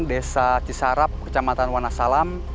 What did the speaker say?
desa cisarap kecamatan wonosalam